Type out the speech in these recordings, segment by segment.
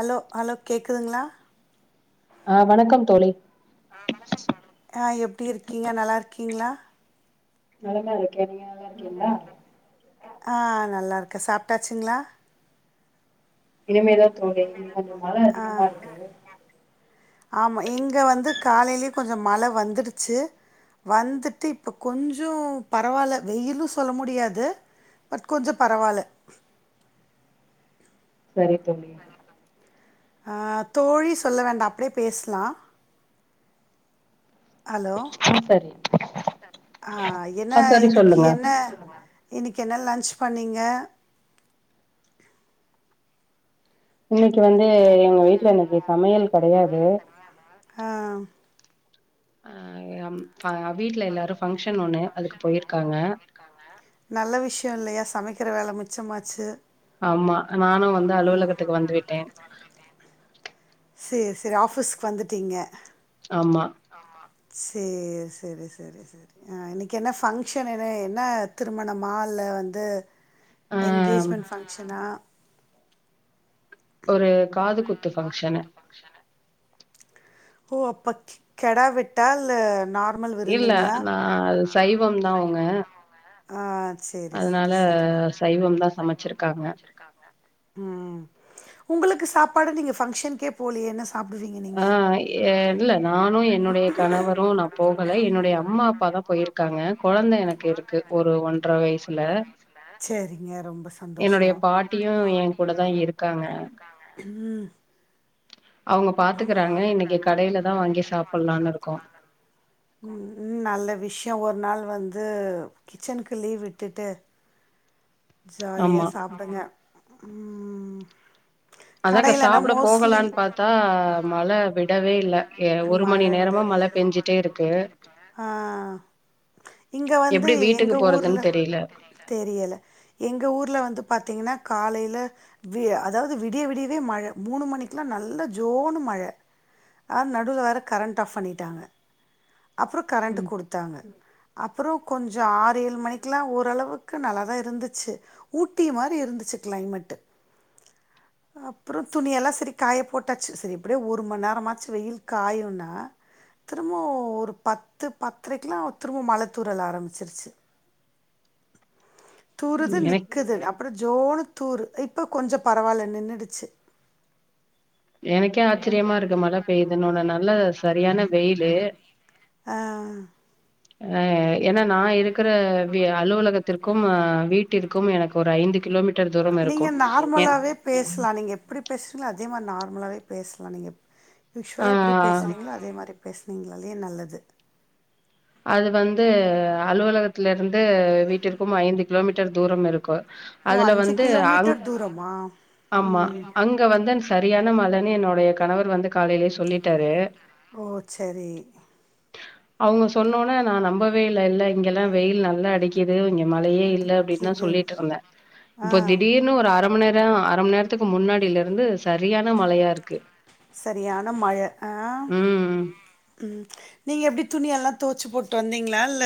Hello hello கேக்குதுங்ளா ஆ வணக்கம் தோழி ஆ எப்படி இருக்கீங்க நல்லாருக்கீங்களா நலமா இருக் ஆ நல்லா இருக்கே சாப்ட்டாச்சுங்களா இனிமேதா தோழி இங்க கொஞ்சோ மழ அதிகமா இருக்கு ஆமா இங்க வந்து காலையிலயே கொஞ்சோ மழ வந்துடுச்சு வந்துட்டு இப்போ கொஞ்சோ பரவாயில்ல வெயிலு சொல்ல முடியாது பட் கொஞ்சோ பரவால்ல சரி தோழி ஆ தோழி சொல்ல வேண்டா அப்டியே பேசலா ஹலோ ஆ சரி ஆ என்ன ஆ சரி இன்னைக்கி சொல்லுங்க என்ன இன்னைக்கி என்ன லன்ச் பண்ணிங்க இன்னைக்கு வந்து எங்க வீட்டுல இன்னைக்கு சமையல் கெடையாது அ ம் ஆ ம் வீட்டுல எல்லாரு ஃபங்ஷ நல்ல விஷயோ இல்லயா சமைக்க இருக்குற வேல மிச்சமாச்சு ஆமா நானு வந்து அலுவலகத்துக்கு வந்து விட்டேன் சேர் சேரி ஆஃபீஸ்க்கு வந்துட்டீங்க ஆமா சேர் சரி சரி சரி ஆ இன்னைக்கி என்ன பங்க்ஷன் என்ன என்ன திருமணமா இல்ல வந்து ஆ எங்கேஜ்மெண்ட் ஃபங்ஷனா ஒரு காது குத்து ஃபங்ஷனு ஓ அப்பக் கெ கெடா வெட்டா இல்ல நான் இல்ல நா சைவம்தா அவுங்க ஆ சேரி, சேரி, அதனால சேரி. சைவம்தா சமைச்சுருக்காங்க ம். உங்களுக்கு சாப்பாடு நீங்க ஃபங்ஷன்கே போலையே என்ன சொ சாப்டுவீங்க நீங்க ஏ இல்ல நானும் என்னுடைய கணவரும் நா போகல என்னுடைய அம்மா அப்பாதா போயிருக்காங்க கொழந்த எனக்கு இருக்கு ஒரு ஒன்றர வயசுல சேரிங்க ரொம்ப சந்தோஷோ. என்னுடைய பாட்டியும் ஏ கூடதா இருக்காங்க அவங்க பாத்துக்கறாங்க இன்னைக்கு கடையில தான் வாங்கி சாப்பிடலான்னு இருக்கோம் உம் நல்ல விஷயோ ஒரு நாள் வந்து கிச்சன்க்கு லீவ் விட்டுட்டு ஜாலியா ஆமா சாப்டுங்க உம் ம் அதாங்க கடைலனா சாப்பிட மோஸ்ட்லி போகலான்னு பாத்தா மழ விடவே இல்ல எ ஒரு மழ மணி நேரமா விடவே மழ ஒரு மணி விடவே இல்ல பேஞ்சிட்டே இருக்கு ஆ இங்க வந்து எப்டி எங்க வீட்டுக்கு ஊர்ல போறதுன் தெரியல தெரியல எங்க ஊர்ல வந்து பாத்தீங்கன்னா காலைல வி அதாவது விடிய விடியவே மழ மூணு மணிக்கெலாம் நல்ல ஜோனு மழ அ நடுவ்ல வேறு கரண்ட் ஆஃப் பண்ணிட்டாங்க அப்றம் கரண்ட்டு ம் குடுத்தாங்க அப்பறம் கொஞ்ச ஆறு ஏழு மணிக்கெலாம் ஓரளவுக்கு நல்லா தான் இருந்து ச்சு ஊட்டி மாரி இருந்துச்சு கிளைமேட்டு அப்பறம் துணில்லாம் சரி காய போட்டாச்சு சரி எப்டியோ ஒரு மண் நேரமாச்சு வெயில் காயுன்னா திருமோ ஒரு பத்து பத்தரைக்கலாம் திருமோ மழ தூறல் ஆரம்பிச்சிருச்சு தூறுது எனக் நி்க்குது அப்புறம் ஜோனுு தூறு இப்போ கொஞ்ச பரவால்ல நின்னுடுச்சு எனக்கே ஆச்சரியமா இருக்கு மழ பெய்யுதுன்னுன்னு நல்லா சரியான வெயிலு அ ஏன்னா நான் இருக்கற வி அலுவலகத்திற்கும் வீட்டிற்கும் எனக்கு ஒரு ஐந்து கிலோமீட்டர் தூரம் நீங்க இருக்கும் என் நார்மலாவே பேஸ்லாம் நீங்க எப்படி பேசஸ்றீகளோ அதே மாரி நார் நம்ளாலே பேசலாம் நீங்க ஆ யூஸ்வலா எப்டி பேசுவாங்களோ அதே மாரி பேசனிங்களாலே நல்லது அது வந்து அலுவலகத்ல இருந்து வீட்டிற்கும் ஐந்து கிலோமீட்டர் தூரம் இருக்கு ஓ அதுல அஞ்சு வந்து ஆங் கிலோமீட்டர் தூரமா ஆமா ம் அங்க வந்து அந் சரியான மழனே என்னோட டைய கணவர் வந்து காலயிலயே சொல்லிட்டாரு ஓ செரி அவுங் சொன்னவுனே நா நம்பவே இல்லல இங்கெல்லா வெயில் நல்லா அடிக்குது மழையே இல்ல அப்டின்தா அடிக்கிது சொல்லிட்டு இருந்தேன் ஆ இப்போ திடீர்னு ஒரு அரை மணி நேரம் அர மண் நேரத்துக்கு முன்னாடியில இருந்து சரியான மழையா இருக்கு சரியான மழ ஆஹ் ம் உம் நீங்க எப்டி துணிெ எல்லா தோய்ச்சு போட்டு வந்தீங்களா இல்ல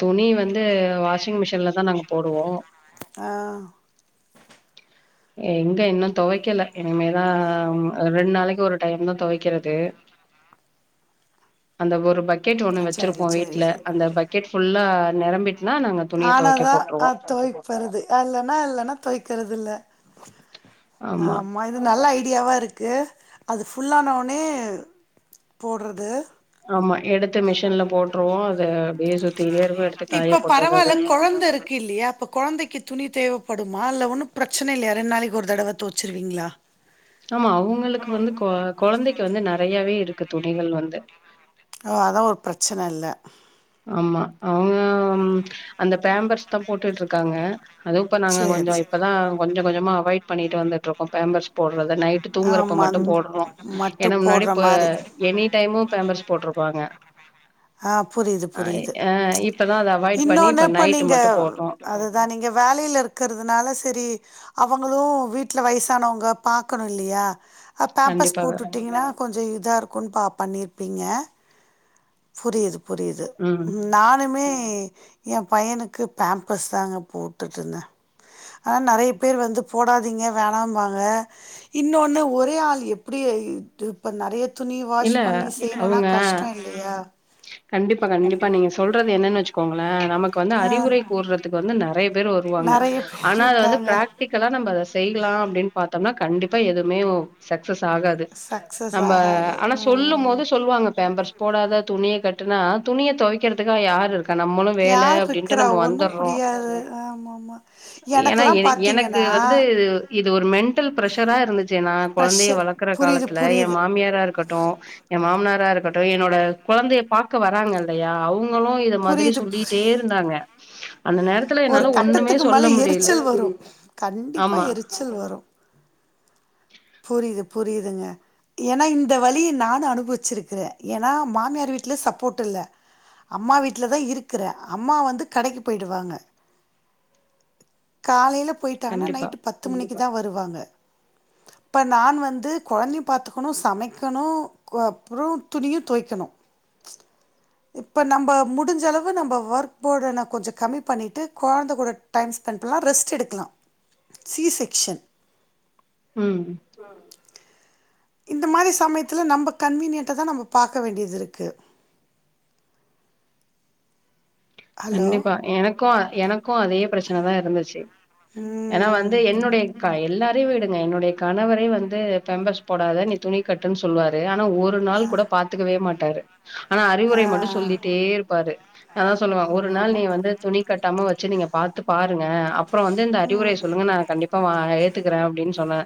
துணி வந்து வாஷிங் மிஷின் இதுலதா நாங்க போடுவோம் ஆஹ் எங்க இன்னு தொவைக்கல இனிமேதா ரெண் நாளைக்கி ஒரு டைம்தா தொவைக்கறது அந்த ஒரு பக் சரி சரி [inaudible] ஃபுல்லா நிரம்பிட்டுனா நாங்க துணிய துவைக்க ஆனாதா போட்டுருவோம் ஆஹ் தொவைக்கறது அல்லனா இல்லனா தொவைக்கறது இல்ல ஆமா இது நல்ல ஐடியாவா இருக் அது ஃபுல்லானவுட்னே போட்றது ஆமா எடுத்து மிஷின்ல போட்டுருவோம் அது அப்டியே சுத்திட்டே இருக்கும் எடுத்து காய இப்ப போட்டுறது பரவால கொழந்த இருக்கு இல்லியா அப்ப கொழந்தைக்கு துணி தேவப் படு மால்ல ஒன்னு பிரச்சனையே இல்லையா ரெண் நாளைக்கு ஒரு தடவ தொவுச்சுருவீங்களா ஆமா அவுங்ளுக்கு வந்து கொ கொழந்தைக்கு வந்து நெறையாவே இருக்கு தோ நீங்கள் வந்து அதா அதா ஒரு பிரச்சன இல்ல ஆமா அவங்க அந்த பேம்பர்ஸ்தா போட்டுட்டு இருக்காங்க அதுவு இப்ப நாங்க கொஞ்ஜோ சேரி இப்பதா கொஞ்ஜ கொஞ்ஜமா அவாய்ட் பண்ணிட்டு வந்துட்டுருக் பேம்பர்ஸ் போட் அதா தா நைட்டு தூங்குறப்ப ஆமா மட்டு போடனு மட்டு ஏன்னா முன்னாடி போடுற இப்ப மாரி எனிடைமு பேம்பர்ஸ் போட்ருப்பாங்க ஆப் புரியுது அ புரியுது அ இப்பதா அத அவாய்ட் பண்ணி இன்னொன்னு இப்ப நைட்டு நீங்க மட்டு போட்றோ அதுதா நீங்க வேலயில இருக்கிறதுனால சரி அவுங்களும் வீட்டில வயசானவங்க பாக்கணும் இல்லியா ஆ பேம்பர்ஸ் கண்டிப்பாக போட்டுட்டிங்ன்னா கொஞ்ஜோ இதா இருக்குனு பாப் பண்ணியிருப்பீங்க புரியுது புரியுது ம் நானுமே ஏ பையனுக்கு பேம்பரஸ் தாங்க போட்டுட்ருந்தே ஆனா நெறைய பேர் வந்து போடாதீங்க வேணாம்பாங்க இன்னொன்னு ஒரே ஆள் எப்டி இதுப்பண் நறையத் துணி வாஷ் இல்ல பண்ணி செய்யணுனா அவங்க கஷ்டோ இல்லையா கண்டிப்பா கண்டிப்பா நீங்க சொல்றது என்னன்னு வச்சுக்கோங்களேன் நமக்கு வந்து ஆ அறிவுரை கூறதுக்கு வந்து நறைய வருவாங்க நெறைய பேர் ஆனா அத வந்து இருக்காங்க பிராக்டிகலா நம்ம அத செய்யலாம் அப்டின்னு பாத்த ம்னா கண்டிப்பா எதுவுமே சக்த சக்சஸ் ஆகாது சக்சஸ் ஆகாது நம்ம சொல்லும் ம் போது சொல்லுவாங்க பேம்ப பர்ஸ் போடாத துணியை கட்டினா துணியை துவைக்கிறதுக்காக யாரு இருக்கு நம்மளும் வேலை யார் அப்படின் இருக்கிறா நம்ம ஒன்னு வந்துடுறோம் முடியாது ஆமாமா ஏனா எனக்கெல்லா எனக்கு பாத்தீங்கன்னா வந்து இது ஒரு மெண்டல் பிரஸர் ஆ இருந்துச்சு நா கொழந்தையை ப்ரெஷர் வளக்குற புரியுது காலத்துல என் புரியுது மாமியாரா இரு ட்ட என் மாமனார் இருக்கட்டும் என்னோட கொழந்தைய பாக்க வராங்க இல்லையா அவுங்க ங்களும் இத மாதிரி புரியுது சொல்லிட்டே புரியுது இருந்தாங்க அந்த நேரத்துல ஒரு என்னால ஒண்ணுமே கட்டத்துக்கு சொல்ல மேல முடியல எரிச்சல் வரும் கண்டிப்பா ஆமா எரிச்சல் வரும் புரியுது புரியுதுங்க ஏனா இந்த வழிய நானு அனுபவிச்சிருக்கிரேன் எனா மாமியார் வீட்ல சப்போ்ட் இல்ல அம்மா வீட்டல தான் இருக்கிற அம்மா வந்து கடைக்கு போயிடுவாங்க காலையில போயிட்டாங்கா கண்டிப்பா நைட் பத்து மணிக்கு தான் வருவாங்க இப்போ நான் வந்து கொழந்தையும் பாத்துக்கணும் சமைக்கணும் அப்பறம் துணியும் துவைக்கணும் இப்போ நம்ம முடிஞ்சளவு நம்ம ஒர்க் போர்ட நா கொஞ்சம் கம்மி பண்ணிட்டு கொழந்த கூட டைம் ஸ்பெண்ட் பண்றே ரெஸ்ட் எடுக்கலாம் சி செக்க்ஷன் ம் இந்த மாதிரி சமயத்துல நம்ம கன்வீனியன்டா தான் நம்ம பாக்க வேண்டியது இருக்கு ஹலோ கண்டிப்பா எனக்கும் எனக்கும் அதே பிரச்சனைதான் இருந்துச்சு ஏன்னா வந்து ம் என்னுடையக்கா எல்லாரையும் வடுங்க என்ன என்னுடைய கணவர வந்து பேம்பர்ஸ் போடாத நீ துணி கட்டுன்னு சொல்லுவாரு ஆனா ஒரு நாள் கூட பாத்துக்கவே மாட்டாரு ஆனா ஆ அறிவுரை மட்டும் சொல்லிட்டே இருப்பாரு அதான் ஒரு ஆமா நாள் ஆமா நீ வந்து துணி கட்டாம வச்சு நீங்க பாார்த்து பாருங்க அப்ப அப்புறம் வந்து இந்த அறிவுரை சொல்லுங்க நான் கண்டிப்ப எத் துக்கிறேன் அப்டின்னு சொன்ன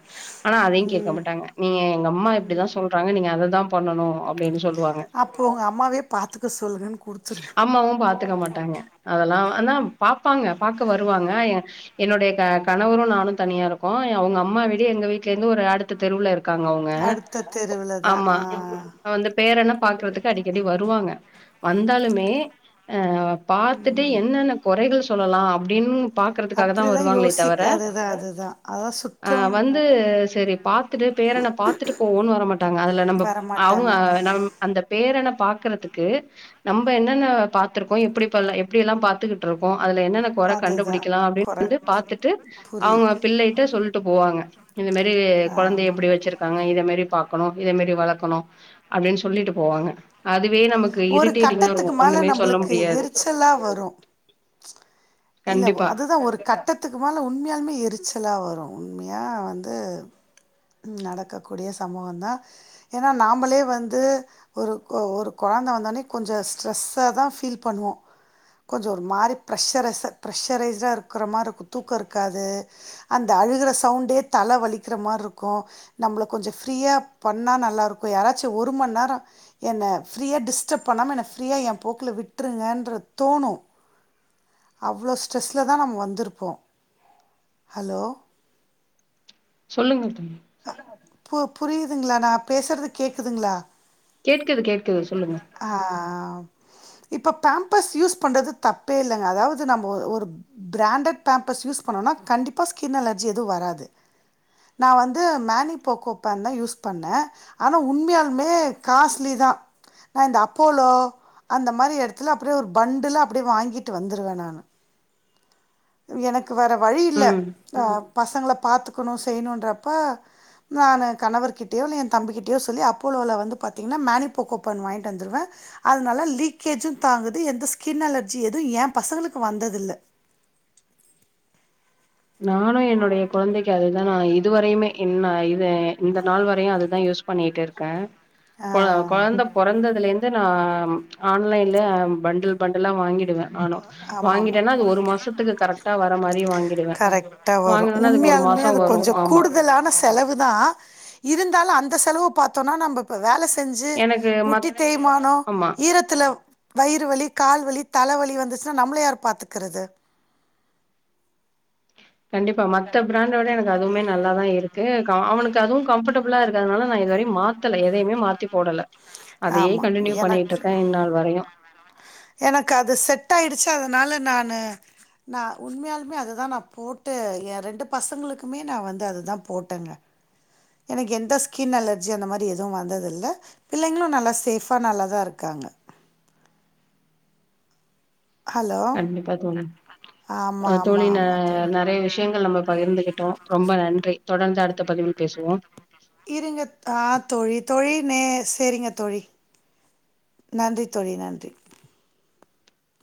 ஆனா அதையும் ம் கேட்கப்பட்டாங்க நீங்க எங்க அம்மா இப்படித்தான் சொல்றாங்க நீங்க அததான் பண்ணனும் அப்படின்னு சொல்லி அப்ப உங்க அம்மாவே பாத்துக்க சொல்லுன்னு குடுத்துருக்கணும் ஏத்துக்க மாட்டாங்க அதெல்லாம் ஆனா பார்பப்பாங்க பார்க்க வருவாங்க என்னுடைய க கணவரும் நானும் தனியா இருக்கும் அவங்க அம்மா விட எங்க வீட்ல இருந்து ஒரு அடுத்த தெருவுல இருக் காங்க அவங்க அடுத்த தெருவுல தா ஆமா ஆ வந்து பேரண பாக்குறதுக்கு அடிக்கடி வருவாங்க வந்தாலுமே அ பாத்துட்டு என்னென்ன கொறைகள் சொல்லலா அப்படின் பாக்கறதுக்காக தா அப்டிதா வருவாங்களே யோசிக் தவிர அதுதா அதுதா அதா சுற்றம் வந்து சரி பாத்துட்டு பேரன பாத்துட்டு போவோனு வர மாட்டாங்க அதுல நம்ப அவங்க வரமாட்டாங்க நம் அந்த பேரன பாக்குறதுக்கு நம்ப என்னன்ன பாத் த்துருக்கோம் எப்டி எப்டி எல்லாம் பாத்துகிட்டு இருக்கோ அதுல என்னென்ன கொற அதுதா கண்டுபிடிக்கலா கொற அப்டின்னு வந்து பாத்துட்டு புரியுது அவங்க பிள்ளயிட்ட சொல்லிட்டு போவாங்க இந்த மாரி கொழந்தைய எப்டி ஆமாமா வச்சுருக்காங்க இத மரி பாக்கணும் இத மாரி வள க்கணும் அப்படின் சொல்லிட்டு போவாங்க அதுவே நமக்கு ஒரு இரிட்டேட்டிங்கா இருக்கு கட்டத்துக்கு மேல ஒண்ணுமே சொல்ல நம்பளுக்கு முடியாது எரிச்சலா வரு இல்ல கண்டிப்பா அதுதா ஒரு கட்டத்துக்கு மேல உண்மையாலுமே எரிச்சலா வரும் உண்மையா வந்து நடக்கக்கூடிய சம்பவம் தான் ஏன்னா நாமளே வந்து ஒரு ஒரு கொழந்த வந்தோடனே கொஞ்ச ஸ்ட்ரெஸ்ஸாதா ஃபீல் பண்ணுவோ கொஞ்சம் ஒரு மாரி ப்ரெஷரைஸா ப்ரெஷரைஸ்டா இருக்குற மாரி இருக்கும் தூக்கம் இருக்காது அந்த அழுகிற சவுண்டே தல வலிக்கிற மாரி இருக்கும் நம்மளை கொஞ்சம் ஃப்ரீயாக பண்ணால் நல்லாயிருக்கும் யாராச்சும் ஒரு மணி நேரம் என்ன ஃப்ரீயா டிஸ்டர்ப் பண்ணாம என ஃப்ரீயா என் போக்குல விட்டுருங்கன்ற தோணு அவ்ளோ ஸ்ட்ரெஸ்ஸில தா நம்ம வந்திருப்போம் ஹலோ சொல்லுங்க தொழி பு புரியுதுங்களா நா பேசுறது கேக்குதுங்களா கேட்குது கேட்குது சொல்லுங்க இப்போ பேம்பர்ஸ் யூஸ் பண்றது தப்பே இல்லைங்க அதாவது நம்ம ஒரு பிராண்டட் பேம்பஸ் யூஸ் பண்ணோனா கண்டிப்பா ஸ்கின் அலர்ஜி எதுவும் வராது நான் வந் து மேனி போகோ பேன் தா யூஸ் பண்ண ஆன உண்மையாலுமே காஸ்லி தா அப்பலோ அந்த மாரி இடத்துல பண்டுலா அப்டியே வாங்கிட்டு வந்துருவ நானு க்கு வேற வழி இல்ல ம் ஆ பசங்கள பாத்துக்கணு செய்யணுன்ற அப்ப நானு கணவர்கிட்டயோ இல்ல என் தம்ப கிட்டயோ சொல்லி அப்போலோல வந்து பாத்தீங்கன்னா மேனிபோகோபன் வாங்கிட்டு வந்துடுவே அதனால லீக்கேஜும் தாங்குது எந்த ஸ்கின் அலர்ஜியும் எது என் பசங்களுக்கு வந்ததில்ல நானு என்னுடைய குழந்தைக்கு அது நா இதுவரையுமே இன்ன இது இந்த நாள் வரையும் அதுதா யூஸ் பண்ணிட்டு இருக்கே ஆ கொழ கொழந்த பொறந்ததுல இருந்து நா ஆன்லைன்ல பண்டல் பண்டல்லா வாங்கிடுவ ஆனோ ஆமா ஆமா வாங்கிட்டன்னா அது ஒரு மாசத்துக்கு கரெக்டா வர மாரி வாங்கிடுவ கரெக்டா வரும் உண்மையாலுமே அது கொஞ்ச ஆமா கூடுதலான செலவு தா இருந்தாலும் அந்த செலவு பாத்தோம்னா நம்ப இப்ப வேல செய் அஞ்சு எனக்கு மத் முட்டித் தேய்மானோ ஆமா ஈரத்தில வயிறு வலி கால்வலி தலவலி வந் சுனா நம்மள யார் பாத்துக்கறது கண்டிப்பா மத்த பிராண்ட விட எனக்கு அதுவுமே நல்லா தா இருக் அவனுக்கு அதுவும் கஃபர்டபிளா இருக்கதுனால நான் இதுவரையும் மாத்தல எதையுமே மாத்தி போடல அதையே ஆமா கண்டினியூ பண்ணிட்டு எனக்கு இருக்கே இந்நாள் வரையு எனக்கு அது செட் ஆயிடுச்சு அதனால நானு நா உண்மையாலுமே அததா நா போட்டு எ ரெண்டு பசங்களுக்குமே நா வந்து அதுதா போட்டங்க எனக்கு எந்தஸ்கின் அலர்ஜி அந்த மாரி எதுவு வந்ததில்ல பிள்ளைங்களு நல்ல சேஃபா நல்லா தா இருக்காங்க ஹலோ! கண்டிப்பா தோழி ஆமா, அ ஆமா, தோழி ஆமா தோழி. நறைய விஷயங்கள் நம்ம பகிர்ந்துகிட்டோம் ரொம்ப நன்றி தொடர்ந்து அடுத்த பதிவில் பேசுவோம் இருங்க ஆஹ் தோழி தோழி நே சரிங்க தோழி நன்றி தோழி நன்றி